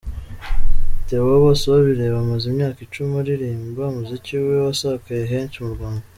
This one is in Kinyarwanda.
Theo Bosebabireba amaze imyaka icumi aririmba, umuziki we wasakaye henshi mu Rwanda.